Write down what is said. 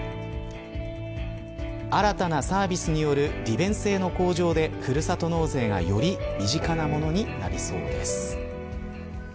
新たなサービスによる利便性の向上でふるさと納税がより身近なものになりそうです。